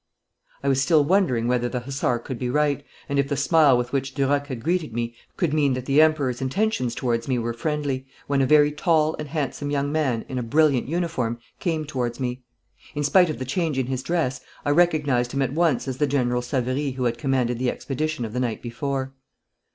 I was still wondering whether the hussar could be right, and if the smile with which Duroc had greeted me could mean that the Emperor's intentions towards me were friendly, when a very tall and handsome young man, in a brilliant uniform, came towards me. In spite of the change in his dress, I recognised him at once as the General Savary who had commanded the expedition of the night before.